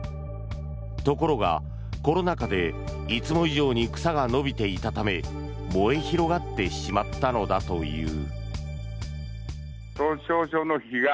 ところが、コロナ禍でいつも以上に草が伸びていたため燃え広がってしまったのだという。